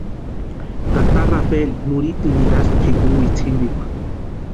Tata Rafeli nurhiteni nirasti pʼikuni witsintikwa.